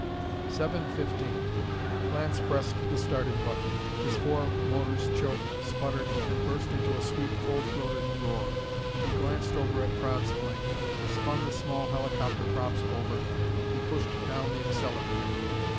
Seven fifteen.... Lance pressed the starting button. His four motors choked, sputtered, then burst into a sweet, full throated roar. He glanced over at Praed's plane, spun the small helicopter props over and pushed down the accelerator.